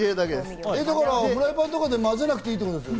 フライパンとかで混ぜなくていいってこと？